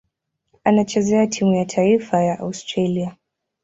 Anachezea timu ya taifa ya Australia.